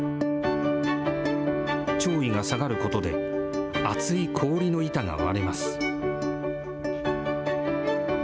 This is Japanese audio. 潮位が下がることで、厚い氷の板が割れます。